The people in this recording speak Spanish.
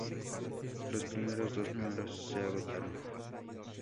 Los primeros dos números se agotaron.